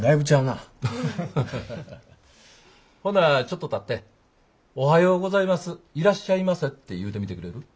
ほなちょっと立って「おはようございます」「いらっしゃいませ」って言うてみてくれる？